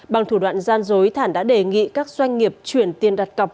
bằng thủ đoạn gian dối thản đã đề nghị các doanh nghiệp chuyển tiền đặt cọc